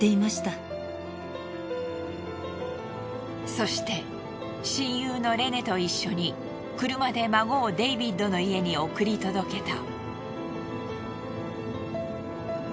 そして親友のレネと一緒に車で孫をデイビッドの家に送り届けた。